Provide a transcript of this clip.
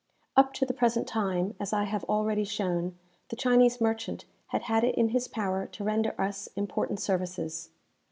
Up to the present time, as I have already shown, the Chinese merchant had had it in his power to render us important services.